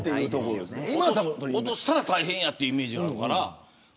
落としたら大変というイメージがあるから。